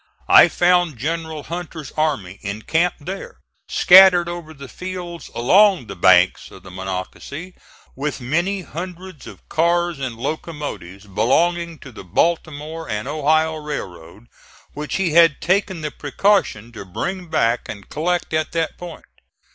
I found General Hunter's army encamped there, scattered over the fields along the banks of the Monocacy, with many hundreds of cars and locomotives, belonging to the Baltimore and Ohio Railroad, which he had taken the precaution to bring back and collect at that point.